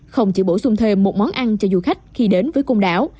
không chỉ bổ sung thêm một món ăn cho du khách khi đến với côn đảo